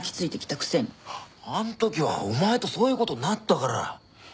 あん時はお前とそういう事になったから。